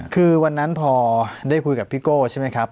คือวันนั้นพอได้คุยกับพี่โก้ใช่ไหมครับ